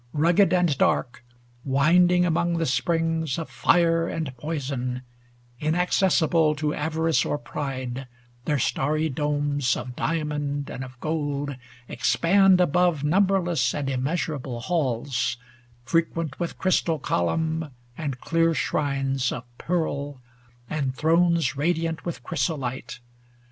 Rugged and dark, winding among the springs Of fire and poison, inaccessible To avarice or pride, their starry domes 90 Of diamond and of gold expand above Numberless and immeasurable halls, Frequent with crystal column, and clear shrines Of pearl, and thrones radiant with chryso lite.